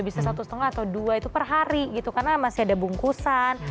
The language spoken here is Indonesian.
bisa satu lima atau dua itu per hari gitu karena masih ada bungkusan